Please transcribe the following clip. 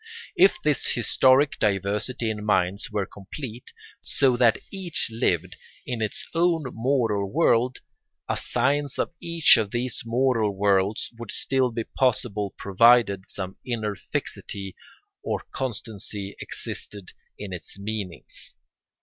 If this historic diversity in minds were complete, so that each lived in its own moral world, a science of each of these moral worlds would still be possible provided some inner fixity or constancy existed in its meanings.